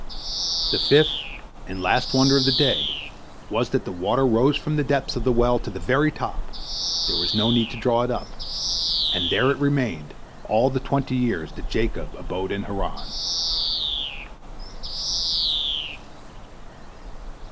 The fifth and last wonder of the day was that the water rose from the depths of the well to the very top, there was no need to draw it up, and there it remained all the twenty years that Jacob abode in Haran.